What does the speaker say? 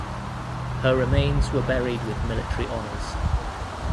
Her remains were buried with military honors.